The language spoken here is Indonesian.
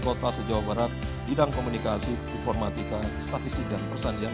kota sejauh barat bidang komunikasi informatika statistik dan persanian